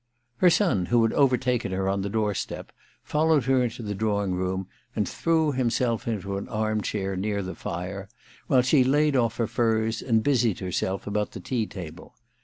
Her son, who had overtaken her on the door step, followed her into the drawing room, and threw himself into an arm chair near the fire, while she laid off her furs and busied herself about the tea table.